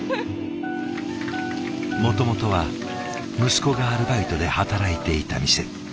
もともとは息子がアルバイトで働いていた店。